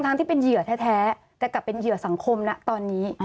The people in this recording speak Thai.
ทั้งที่เป็นเหยื่อแท้จะกลับเป็นเหยื่อสังคมนะตอนนี้